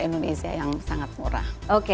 indonesia yang sangat murah